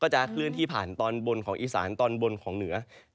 จะเคลื่อนที่ผ่านตอนบนของอีสานตอนบนของเหนือ